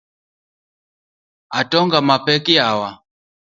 Atonga no pek yawa.